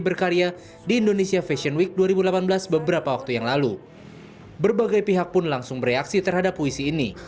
berbagai pihak pun langsung bereaksi terhadap puisi ini